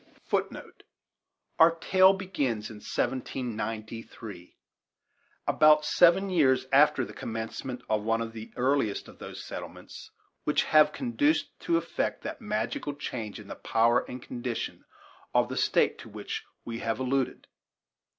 * Our tale begins in 1793, about seven years after the commencement of one of the earliest of those settlements which have conduced to effect that magical change in the power and condition of the State to which we have alluded.